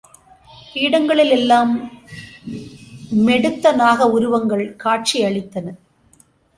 பீடங்களில் எல்லாம் மெடுத்த நாக உருவங்கள் காட்சி அளித்தன.